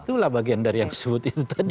itulah bagian dari yang disebutin tadi